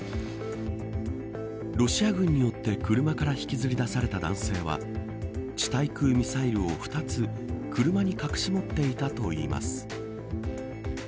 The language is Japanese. ロシア軍によって車から引きずり出された男性は地対空ミサイルを２つ車に隠し持っていたといいます。